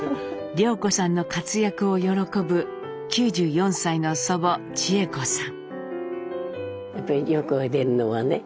涼子さんの活躍を喜ぶ９４歳の祖母智枝子さん。